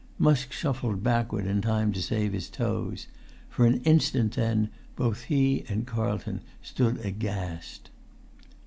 Musk shuffled backward in time to save his toes; for an instant then both he and Carlton stood aghast.